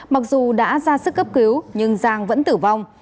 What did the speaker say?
mặc dù đã ra sức cấp cứu nhưng giang vẫn tử vong